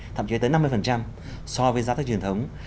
thậm chí tới năm mươi so với giá tết truyền thống